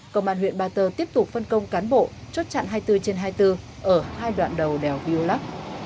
công an huyện ba tơ tiếp tục phân công cán bộ chốt chặn hai mươi bốn trên hai mươi bốn ở hai đoạn đầu đèo viêu lắc